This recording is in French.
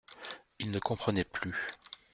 Il ne comprenait plus.